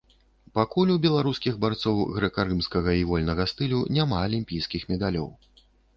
Пакуль у беларускіх барцоў грэка-рымскага і вольнага стылю няма алімпійскіх медалёў.